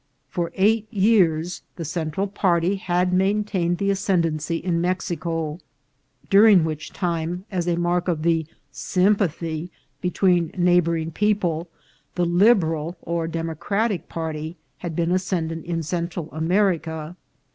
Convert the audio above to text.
For eight years the Central party had maintained the ascendancy in Mexico, during which time, as a mark of the sympathy between neighbouring people, the Lib eral or Democratic party had been ascendant in Cen tral America.